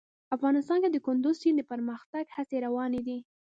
افغانستان کې د کندز سیند د پرمختګ هڅې روانې دي.